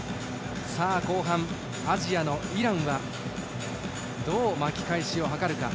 後半、アジアのイランはどう巻き返しを図るか。